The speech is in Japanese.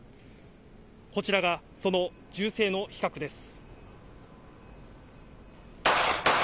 こちらが、その銃声の比較です。